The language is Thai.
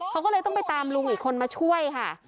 เขาก็เลยต้องไปตามลุงอีกคนมาช่วยค่ะ